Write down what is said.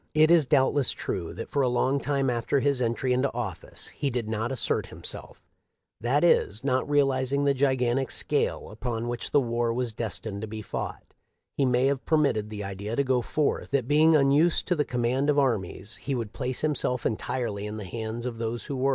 It is doubtless true that for a long time after his entry into office he did not assert himself; that is, not realizing the gigantic scale upon which the war was destined to be fought, he may have permitted the idea to go forth that being unused to the com mand of armies he would place himself entirely in the hands of those who were.